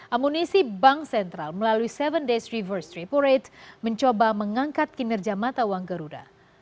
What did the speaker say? amunisi bank sentral melalui tujuh days reverse reparate mencoba mengangkat kinerja mata uang geruda